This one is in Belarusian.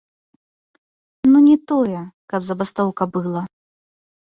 Ну, не тое, каб забастоўка была.